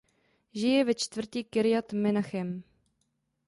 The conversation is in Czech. Žije ve čtvrti Kirjat Menachem.